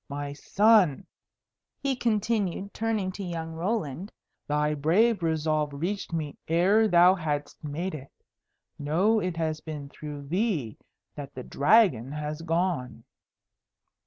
My son," he continued, turning to young Roland, "thy brave resolve reached me ere thou hadst made it. Know it has been through thee that the Dragon has gone!"